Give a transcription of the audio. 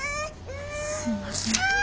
すいません。